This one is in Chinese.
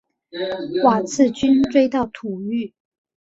瓦剌军追到土域。